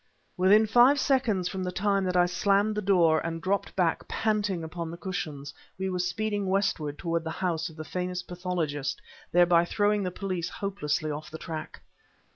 Within five seconds from the time that I slammed the door and dropped back panting upon the cushions, we were speeding westward toward the house of the famous pathologist, thereby throwing the police hopelessly off the track.